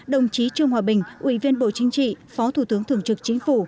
đồng chí trương hòa bình ủy viên bộ chính trị phó thủ tướng thường trực chính phủ